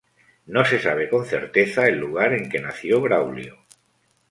No se sabe con certeza el lugar en que nació Braulio.